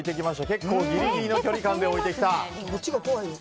結構ギリギリの距離感で置いてきた！